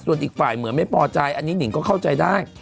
ส่วนอีกฝ่ายเหมือนไม่พอใจอันนี้หนิงก็เข้าใจได้